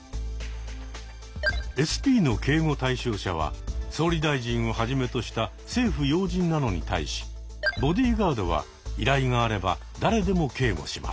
ＳＰの警護対象者は総理大臣をはじめとした政府要人なのに対しボディーガードは依頼があれば誰でも警護します。